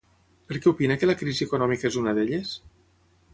Per què opina que la crisi econòmica és una d'elles?